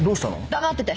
黙ってて！